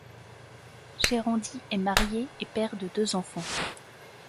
Jerandi est marié et père de deux enfants.